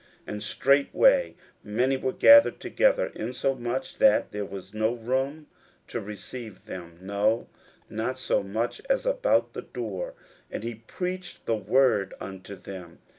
41:002:002 And straightway many were gathered together, insomuch that there was no room to receive them, no, not so much as about the door: and he preached the word unto them.